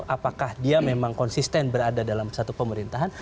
apakah dia memang konsisten berada dalam satu pemerintahan